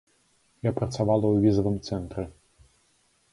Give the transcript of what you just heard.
Я працавала ў візавым цэнтры.